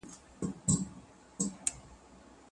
طه سورت په {طه} شروع سوی دی.